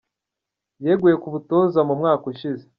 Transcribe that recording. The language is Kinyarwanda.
Yeguye ku butoza mu mwaka ushize.